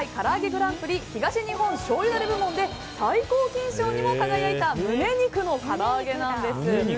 グランプリ東日本しょうゆダレ部門で最高金賞にも輝いた胸肉のからあげなんです。